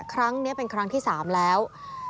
ครั้งนี้เป็นครั้งที่๓แล้ว